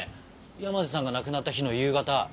山路さんが亡くなった日の夕方。